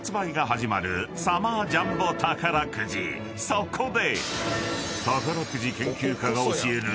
［そこで］